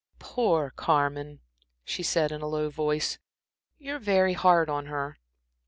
"Poor Carmen!" she said, in a low voice. "You're very hard on her."